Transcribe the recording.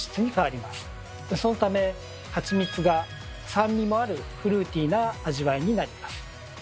そのためハチミツが酸味もあるフルーティーな味わいになります。